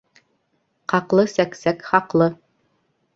Ҡаҡлы сәксәк хаҡлы.